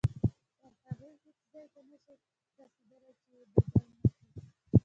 تر هغې هیڅ ځای ته نه شئ رسېدلی چې یې بدل نه کړئ.